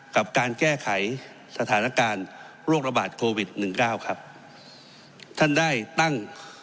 กับการแก้ไขสถานการณ์โรคระบาดโควิดหนึ่งเก้าครับท่านได้ตั้ง